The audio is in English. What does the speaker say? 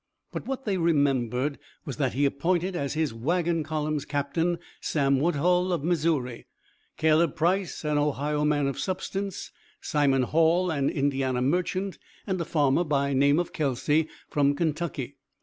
But what they remembered was that he appointed as his wagon column captains Sam Woodhull, of Missouri; Caleb Price, an Ohio man of substance; Simon Hall, an Indiana merchant, and a farmer by name of Kelsey, from Kentucky.